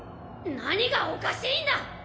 何がおかしいんだ！